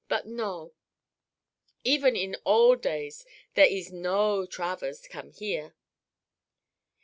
But no. Even in old days there ees no Travers come here."